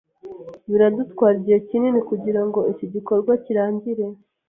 Biradutwara igihe kinini kugirango iki gikorwa kirangire.